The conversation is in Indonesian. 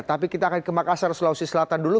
tapi kita akan ke makassar sulawesi selatan dulu